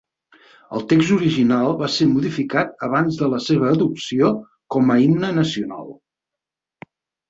El text original va ser modificat abans de la seva adopció com a himne nacional.